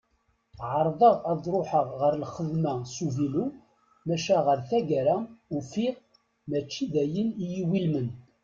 Ɛerḍeɣ ad ruḥeɣ ɣer lxedma s uvilu maca ɣer tagara ufiɣ mačči d ayen i y-iwulmen.